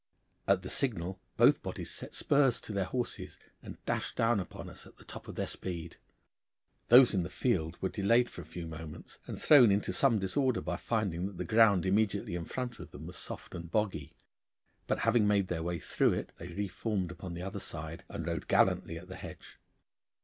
At the signal both bodies set spurs to their horses and dashed down upon us at the top of their speed. Those in the field were delayed for a few moments, and thrown into some disorder, by finding that the ground immediately in front of them was soft and boggy, but having made their way through it they re formed upon the other side and rode gallantly at the hedge.